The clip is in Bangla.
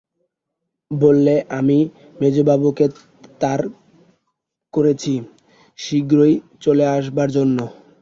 বললে, আমি মেজোবাবুকে তার করেছি, শীঘ্র চলে আসবার জন্যে।